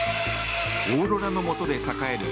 オーロラのもと栄える